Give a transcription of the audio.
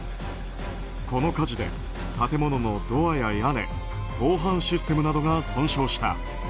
この火事で、建物のドアや屋根防犯システムなどが損傷した。